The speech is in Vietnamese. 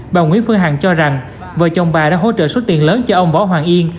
bà nguyễn phương hằng cho rằng vợ chồng bà đã hỗ trợ số tiền lớn cho ông võ hoàng yên